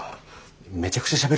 めちゃくちゃしゃべるじゃん。